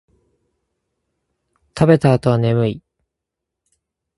食べた後は眠い